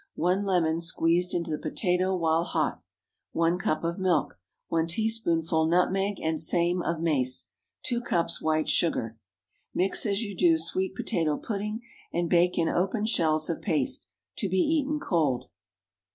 1 lemon—squeezed into the potato while hot. 1 cup of milk. 1 teaspoonful nutmeg, and same of mace. 2 cups white sugar. Mix as you do sweet potato pudding, and bake in open shells of paste. To be eaten cold.